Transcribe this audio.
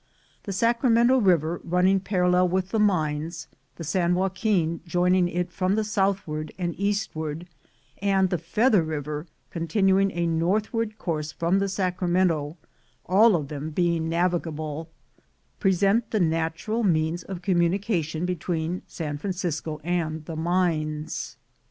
The Sacramento river running par allel with the mines, the San Joaquin joining it from the southward and eastw'ard, and the Feather river continuing a northward course from the Sacramento — all of them being navigable — present the natural means of communication between San Francisco and the "mines."